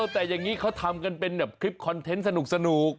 แต่อย่างนี้เขาทำกันเป็นแบบคลิปคอนเทนต์สนุก